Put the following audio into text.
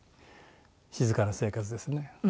『静かな生活』ですね。